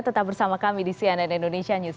tetap bersama kami di cnn indonesia news